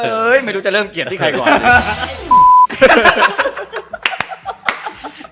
เอ้ยไม่รู้จะเริ่มเกียรติที่ใครก่อน